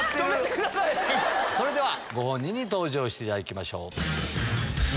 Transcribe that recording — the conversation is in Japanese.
それではご本人に登場していただきましょう。